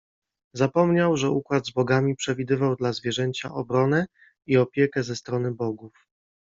Zapomniał, że układ z bogami przewidywał dla zwierzęcia obronę i opiekę ze strony bogów.